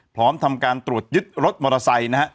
พร้อมทำการตรวจยึดรถมอเตอร์ไซค์นะฮะ